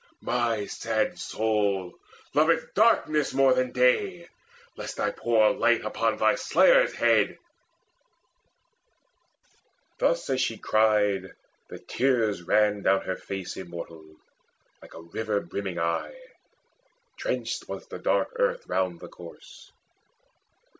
My sad soul loveth darkness more than day, Lest I pour light upon thy slayer's head: Thus as she cried, the tears ran down her face Immortal, like a river brimming aye: Drenched was the dark earth round the corse.